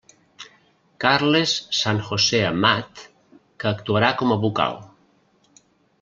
Carles San José Amat, que actuarà com a vocal.